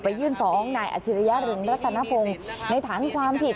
ไปยื่นฟ้องนายอาทิระยะรึงรัฐนภงในฐานความผิด